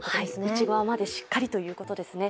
内側までしっかりということですね。